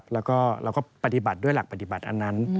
แล้วก็เราก็ปฏิบัติด้วยหลักปฏิบัติอันนั้น